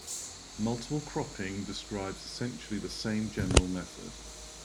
Multiple cropping describes essentially the same general method.